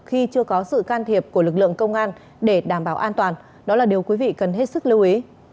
khi chưa có sự can thiệp của lực lượng công an để đảm bảo an toàn đó là điều quý vị cần hết sức lưu ý